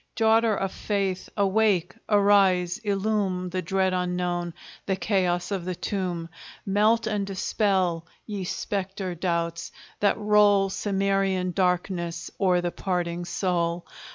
Daughter of Faith, awake, arise, illume The dread unknown, the chaos of the tomb; Melt and dispel, ye spectre doubts, that roll Cimmerian darkness o'er the parting soul!